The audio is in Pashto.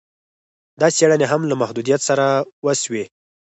دا څېړني هم له محدویت سره وسوې